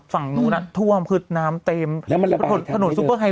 ฝั่งหนูนะซูเปอร์ไฮไว้อยู่เล่าแม่